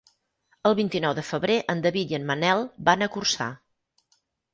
El vint-i-nou de febrer en David i en Manel van a Corçà.